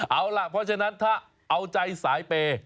เอาล่ะเพราะฉะนั้นถ้าเอาใจสายเปย์